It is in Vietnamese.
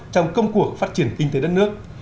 trong công cuộc phát triển kinh tế đất nước